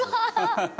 ハハハ。